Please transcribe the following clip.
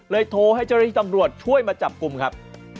เลยโทรให้เจรฐีตำรวจช่วยมาจับกลุ่มครับ